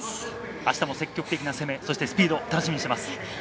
あしたも積極的な攻め、そしてスピード、楽しみにしてます。